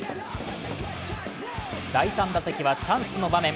第３打席はチャンスの場面。